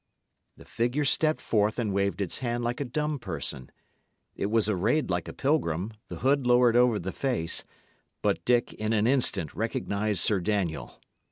The figure stepped forth and waved its hand like a dumb person. It was arrayed like a pilgrim, the hood lowered over the face, but Dick, in an instant, recognised Sir Daniel.